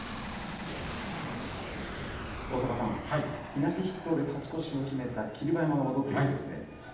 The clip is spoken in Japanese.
東筆頭で勝ち越しを決めた霧馬山が戻ってきました。